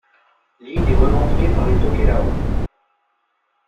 L'île est revendiquée par les Tokelau.